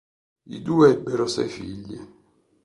I due ebbero sei figli.